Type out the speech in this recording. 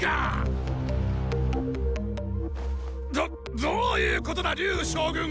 どっどういうことだ龍羽将軍！